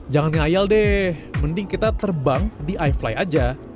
jangan ngayal deh mending kita terbang di ifly aja